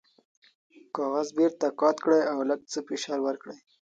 کاغذ بیرته قات کړئ او لږ څه فشار ورکړئ.